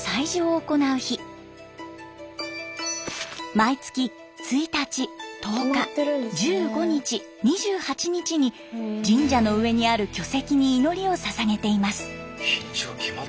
毎月１日１０日１５日２８日に神社の上にある巨石に祈りをささげています。